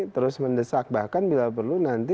terus mendesak bahkan bila perlu nanti